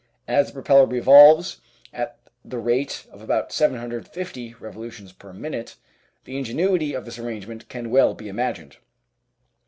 As the propeller revolves at the rate of about 750 revolutions per minute, the ingenuity of this arrangement can well be imagined.